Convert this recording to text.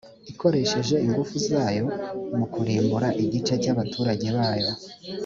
ikoresheje ingufu zayo mu kurimbura igice cy abaturage bayo